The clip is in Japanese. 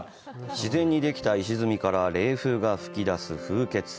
自然にできた石積みから冷風が吹き出す風穴。